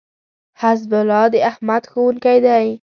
حزب الله داحمد ښوونکی دی